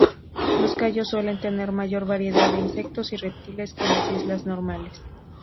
Los cayos suelen tener mayor variedad de insectos y reptiles que las islas normales.